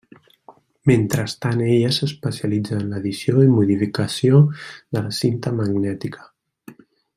Mentrestant ella s'especialitza en l'edició i modificació de la cinta magnètica.